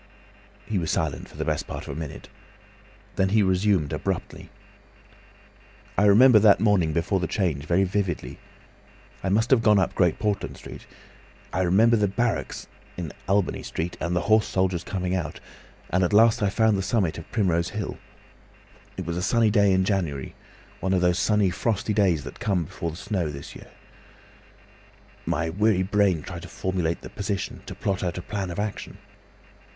He was silent for the best part of a minute. Then he resumed abruptly: "I remember that morning before the change very vividly. I must have gone up Great Portland Street. I remember the barracks in Albany Street, and the horse soldiers coming out, and at last I found the summit of Primrose Hill. It was a sunny day in January—one of those sunny, frosty days that came before the snow this year. My weary brain tried to formulate the position, to plot out a plan of action.